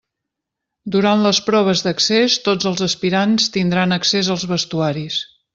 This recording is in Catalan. Durant les proves d'accés tots els aspirants tindran accés als vestuaris.